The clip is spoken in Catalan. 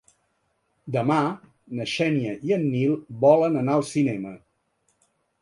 Demà na Xènia i en Nil volen anar al cinema.